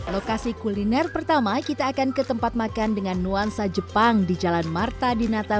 lokasi kuliner pertama kita akan ke tempat makan dengan nuansa jepang di jalan marta dinata